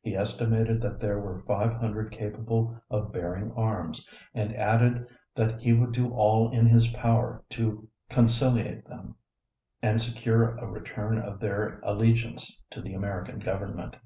He estimated that there were five hundred capable of bearing arms, and added that he would do all in his power to conciliate them, and secure a return of their allegiance to the American government.